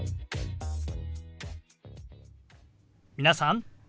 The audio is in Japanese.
皆さん。